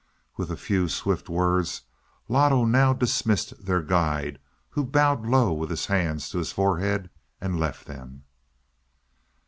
With a few swift words Loto now dismissed their guide, who bowed low with his hands to his forehead and left them.